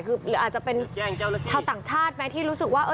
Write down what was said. คือหรืออาจจะเป็นชาวต่างชาติไหมที่รู้สึกว่า